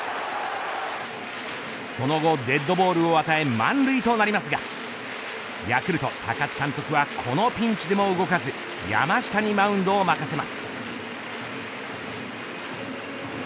その後、デッドボールを与え満塁となりますがヤクルト高津監督はこのピンチでも動かず山下にマウンドを任せます。